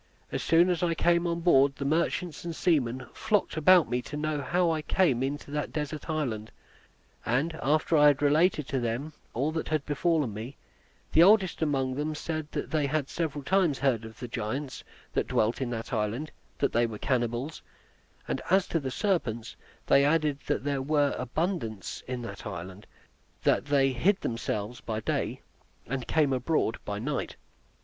As soon as I came on board, the merchants and seamen flocked about me to know how I came into that desert island; and after I had related to them all that had befallen me, the oldest among them said they had several times heard of the giants that dwelt in that island, that they were cannibals; and as to the serpents, they added that there were abundance in the island; that they hid themselves by day and came abroad by night.